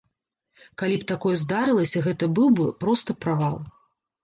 Калі б такое здарылася, гэта быў бы проста правал.